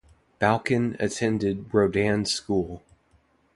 Balcon attended Roedean School.